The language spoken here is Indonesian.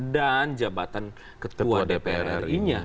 dan jabatan ketua dpr ri